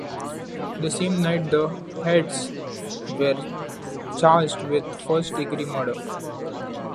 The same night the Hyattes were charged with first-degree murder.